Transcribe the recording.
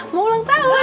ma mau ulang tahun